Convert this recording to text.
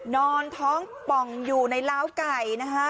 นอนท้องป่องอยู่ในล้าวไก่นะฮะ